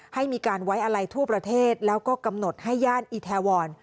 ให้มีการไว้อะไรทั่วประเทศแล้วก็กำหนดให้ย่านอีแทวร